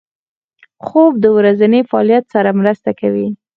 خوب د ورځني فعالیت سره مرسته کوي